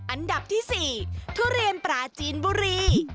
อันดับที่๔ทุเรียนปลาจีนบุรี